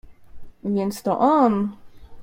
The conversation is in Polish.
"Więc to on?"